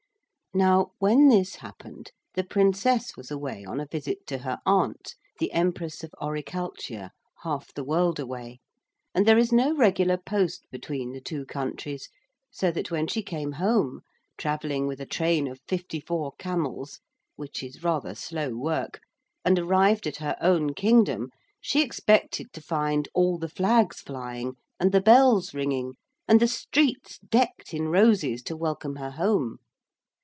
Now when this happened the Princess was away on a visit to her aunt, the Empress of Oricalchia, half the world away, and there is no regular post between the two countries, so that when she came home, travelling with a train of fifty four camels, which is rather slow work, and arrived at her own kingdom, she expected to find all the flags flying and the bells ringing and the streets decked in roses to welcome her home.